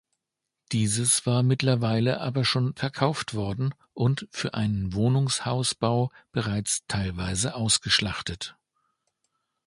Dieses war mittlerweile aber schon verkauft worden und für einen Wohnhausbau bereits teilweise ausgeschachtet.